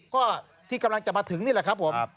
ก็ที่กำลังจะมาถึงนี่แหละครับผม